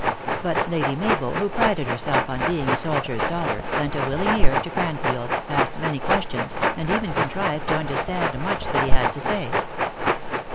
But Lady Mabel, who prided herself on being a soldier s daughter, lent a willing ear to Cran field, asked many questions, and even contrived to understand much that he had to say.